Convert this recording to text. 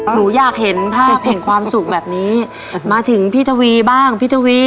หนูอยากเห็นภาพแห่งความสุขแบบนี้มาถึงพี่ทวีบ้างพี่ทวี